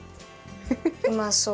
うまそう。